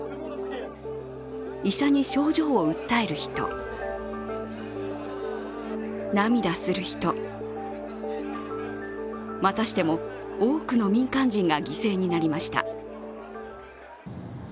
医者に症状を訴える人涙する人またしても多くの民間人が犠牲になりました。